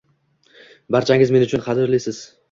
Barchangiz men uchun qadrlisiz!